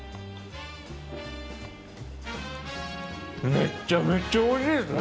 めっちゃめちゃおいしいですね！